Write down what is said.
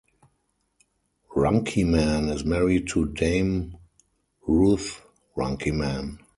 Runciman is married to Dame Ruth Runciman.